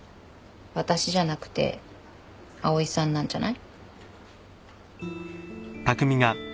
私じゃなくて蒼井さんなんじゃない？